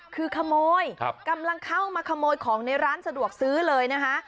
คือขโมยกำลังเข้ามาขโมยของในร้านสะดวกซื้อเลยนะคะ